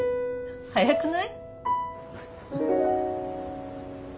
早くない？